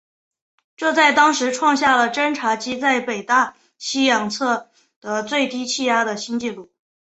这在当时创下了侦察机在北大西洋测得最低气压的新纪录。